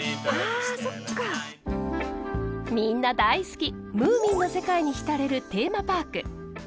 みんな大好きムーミンの世界にひたれるテーマパーク。